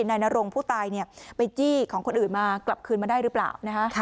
นายนรงผู้ตายไปจี้ของคนอื่นมากลับคืนมาได้หรือเปล่านะคะ